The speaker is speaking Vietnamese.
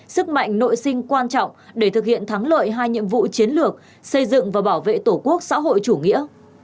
sức mạnh nội sinh quan trọng để thực hiện thắng lợi hai nhiệm vụ chiến lược xây dựng và bảo vệ tổ quốc xã hội chủ nghĩa